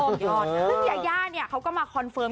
ซึ่งยาย่าเนี่ยเขาก็มาคอนเฟิร์ม